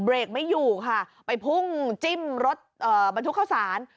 เบรกไม่อยู่ค่ะไปพุ่งจิ้มรถบรรทุกเข้าสาร